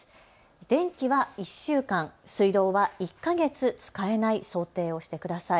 電気は１週間、水道は１か月、使えない想定をしてください。